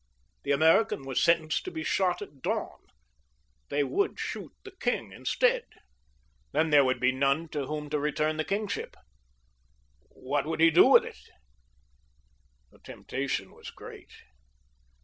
The American was sentenced to be shot at dawn. They would shoot the king instead. Then there would be none to whom to return the kingship. What would he do with it? The temptation was great.